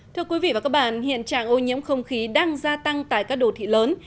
thưa quý vị và các bạn hiện trạng ô nhiễm không khí đang gia tăng tại các đồ thị lớn